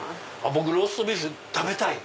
僕ローストビーフ食べたい！